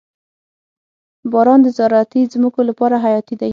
• باران د زراعتي ځمکو لپاره حیاتي دی.